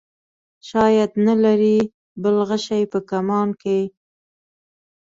شاید نه لرې بل غشی په کمان کې.